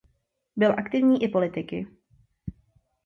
Byl aktivní i politiky.